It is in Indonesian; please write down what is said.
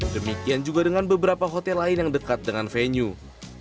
demikian juga dengan beberapa hotel lain yang dekat dengan venue